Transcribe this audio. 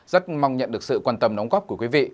rất mong nhận được sự quan tâm đóng góp của quý vị